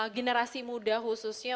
generasi muda khususnya